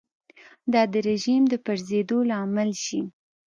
دا د رژیم د پرځېدو لامل شي.